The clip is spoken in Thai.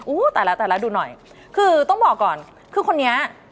ตายแล้วตายแล้วดูหน่อยคือต้องบอกก่อนคือคนนี้